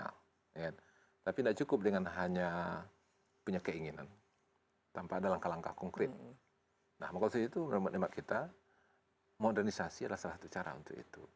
untuk bukan akses most